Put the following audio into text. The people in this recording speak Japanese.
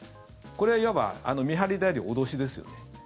これはいわば見張りであり、脅しですよね。